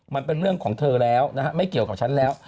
มันเป็นเรื่องของเธอแล้วนะฮะไม่เกี่ยวกับฉันแล้ว